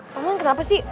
paman kenapa sih